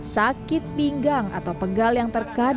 sakit pinggang atau pegal yang terkadang